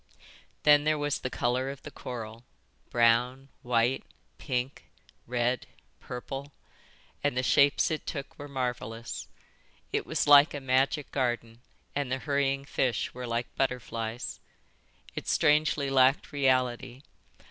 Then there was the colour of the coral, brown, white, pink, red, purple; and the shapes it took were marvellous. It was like a magic garden, and the hurrying fish were like butterflies. It strangely lacked reality.